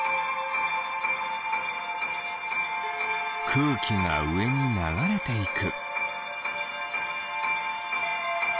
くうきがうえにながれていく。